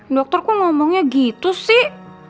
dokter kok ngomongnya gitu sih